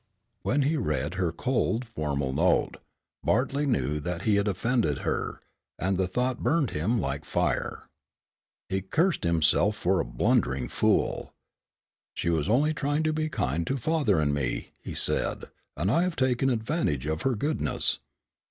When he read her cold formal note, Bartley knew that he had offended her, and the thought burned him like fire. He cursed himself for a blundering fool. "She was only trying to be kind to father and me," he said, "and I have taken advantage of her goodness."